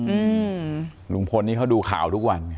อืมลุงพลนี่เขาดูข่าวทุกวันไง